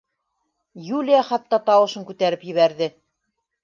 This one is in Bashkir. Юлия хатта тауышын күтәреп ебәрҙе: